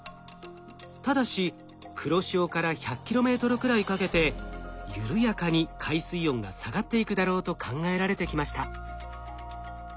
ただし黒潮から１００ｋｍくらいかけて緩やかに海水温が下がっていくだろうと考えられてきました。